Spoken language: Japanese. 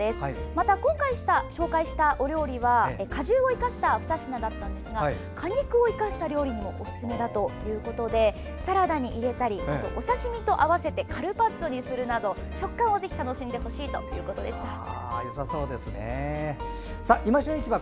また今回紹介したお料理は果汁を生かした２品をご紹介したんですが果肉を生かした料理にもおすすめだということでサラダに入れたりお刺身と合わせてカルパッチョにするなど食感を楽しんでくださいということでした「いま旬市場」